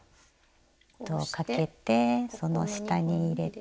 糸をかけてその下に入れて。